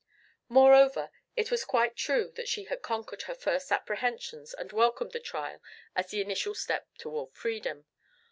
Moreover, it was quite true that she had conquered her first apprehensions and welcomed the trial as the initial step toward freedom.